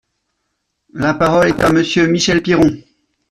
La parole est à Monsieur Michel Piron.